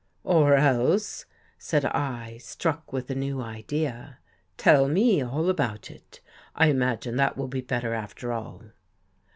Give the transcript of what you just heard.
" Or else," said I, struck with a new idea, " tell me all about it. I imagine that will be better after all."